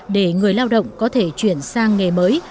để người lao động có thể chuyển sang nghề mới